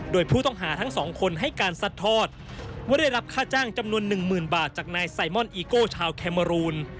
โดยผู้ต้องหาทั้งสองคนให้การซัดทอดว่าได้รับค่าจ้างจำนวน๑๐๐๐บาทจากนายไซมอนอีโก้ชาวแคเมอรูน